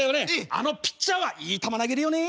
あのピッチャーはいい球投げるよね」。